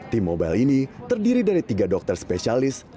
tim mobile ini terdiri dari tiga dokter spesialis